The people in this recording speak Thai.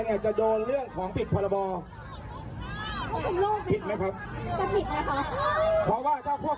ที่อยู่ข้างท่าทำเนียบก็ต้องผิดด้วยนะครับพี่